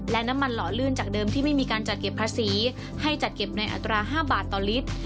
และน้ำมันหล่อลื่นจากเดิมที่ไม่มีการจัดเก็บภาษีให้จัดเก็บในอัตรา๕บาทต่อลิตร